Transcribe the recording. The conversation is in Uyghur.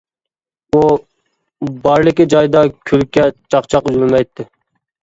ئۇ بارلىكى جايدا كۈلكە، چاقچاق ئۈزۈلمەيتتى.